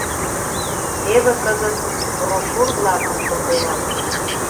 Теве кызыт брошюр-влакым конденам.